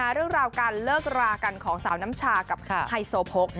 เรื่องราวการเลิกรากันของสาวน้ำชากับไฮโซโพก